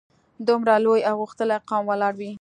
دومره لوی او غښتلی قوم ولاړ وي.